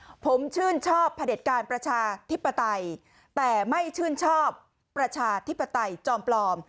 ผมชื่นชอบพระเด็จการประชาธิปไตยแต่ไม่ชื่นชอบประชาธิปไตยจอมปลอม